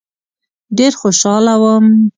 ډېر خوشاله وم.